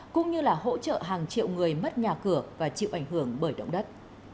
cũng như là hỗ trợ hàng triệu người mất nhà cửa và chịu ảnh hưởng bởi động đất